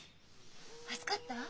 暑かった？